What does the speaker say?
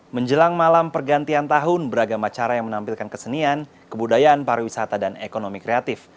menjelang malam pergantian tahun beragam acara yang menampilkan kesenian kebudayaan pariwisata dan ekonomi kreatif